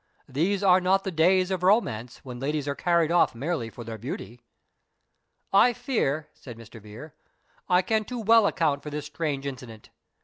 These are not the days of romance, when ladies are carried off merely for their beauty." "I fear," said Mr. Vere, "I can too well account for this strange incident.